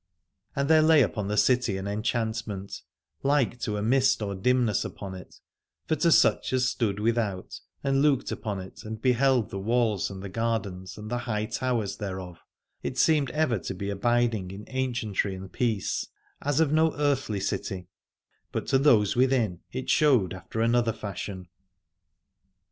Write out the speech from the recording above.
And there lay upon the city an enchantment, like to a mist or dimness upon it : for to such as stood with out and looked upon it and beheld the walls and the gardens and the high towers thereof, to them it seemed ever to be abiding in ancientry and peace, as of no earthly city, but to those within it showed after another fashion.